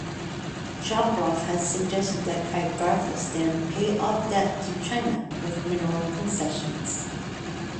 Japarov has suggested Kyrgyzstan pay off debt to China with mineral concessions.